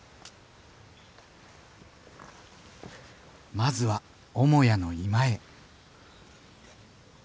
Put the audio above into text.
まずは母屋の居間へ。